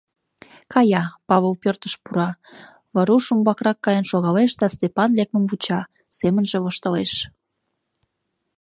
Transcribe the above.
Кая, Павыл пӧртыш пура, Варуш умбакрак каен шогалеш да Степан лекмым вуча, семынже воштылеш.